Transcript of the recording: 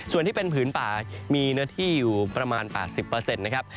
ส่วนที่เป็นผืนป่ามีเนื้อที่อยู่ประมาณ๘๐นะครับ